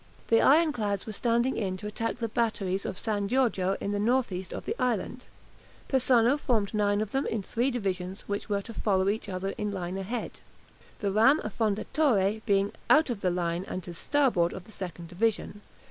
The ironclads were standing in to attack the batteries of San Giorgio at the north east end of the island. Persano formed nine of them in three divisions, which were to follow each other in line ahead, the ram "Affondatore" being out of the line and to starboard of the second division.